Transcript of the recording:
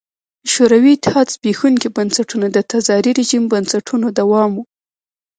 شوروي اتحاد زبېښونکي بنسټونه د تزاري رژیم بنسټونو دوام و.